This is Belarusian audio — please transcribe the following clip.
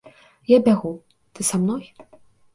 Я бягу, ты са мной?